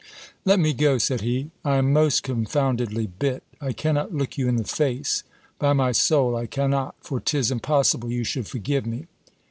"Let me go," said he; "I am most confoundedly bit. I cannot look you in the face! By my soul, I cannot! For 'tis impossible you should forgive me."